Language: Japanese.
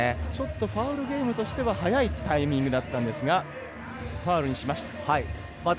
ファウルゲームとしては早いタイミングだったんですがファウルにしました。